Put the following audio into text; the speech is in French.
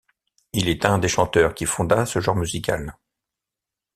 Il est un des chanteurs qui fonda ce genre musical.